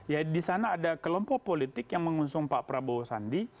ya di sana ada kelompok politik yang mengusung pak prabowo sandi